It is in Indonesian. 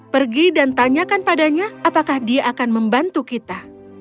pergi dan tanyakan padanya apakah dia akan membantu kita